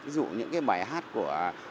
ví dụ những cái bài hát của